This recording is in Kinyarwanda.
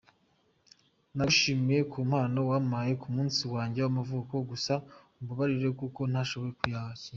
Ndagushimiye ku mpano wampaye ku munsi wanjye w’amavuko gusa umbabarire kuko ntashobora kuyakira.